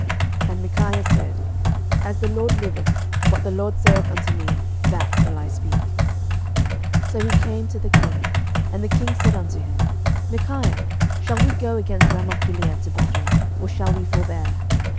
11:022:014 And Micaiah said, As the LORD liveth, what the LORD saith unto me, that will I speak. 11:022:015 So he came to the king. And the king said unto him, Micaiah, shall we go against Ramothgilead to battle, or shall we forbear?